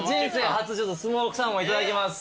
初スモークサーモンいただきます。